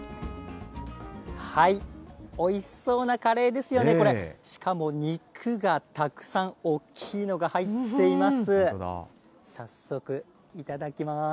おいしそうなカレーですよね、これ、しかも肉がたくさん、大きいのが入っています。